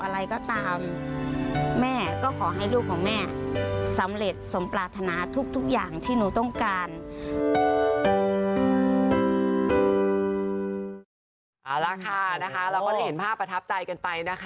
เราก็เห็นภาพประทับใจกันไปนะคะ